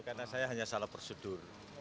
karena saya hanya salah prosedur